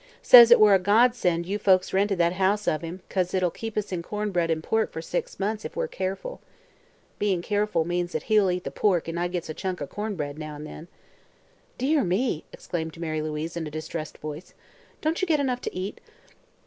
Says it were a godsend you folks rented that house of him, 'cause it'll keep us in corn bread an' pork for six months, ef we're keerful. Bein' keerful means that he'll eat the pork an' I gits a chunk o' corn bread now an' then." "Dear me!" exclaimed Mary Louise in a distressed voice. "Don't you get enough to eat?"